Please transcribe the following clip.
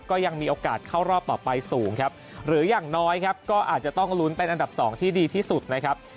ก็ยังมีโอกาสเข้ารอบต่อไปสูงครับหรืออย่างน้อยครับก็อาจจะต้องลุ้นเป็นอันดับ๒ที่ดีที่สุดนะครับ